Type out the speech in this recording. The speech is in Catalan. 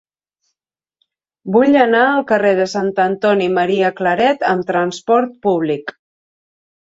Vull anar al carrer de Sant Antoni Maria Claret amb trasport públic.